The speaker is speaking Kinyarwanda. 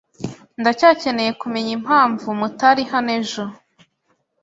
Ndacyakeneye kumenya impamvu mutari hano ejo.